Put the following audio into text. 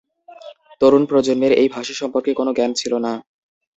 তরুণ প্রজন্মের এই ভাষা সম্পর্কে কোনও জ্ঞান ছিল না।